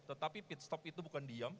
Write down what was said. tetapi piztop itu bukan diam